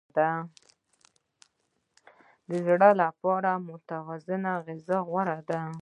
د زړه لپاره متوازنه غذا غوره ده.